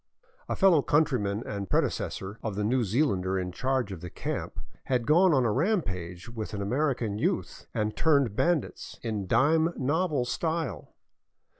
A fellow countryman and predecessor of the New Zealander in charge of the camp had gone on a rampage with an American youth and turned bandits, in dime novel style.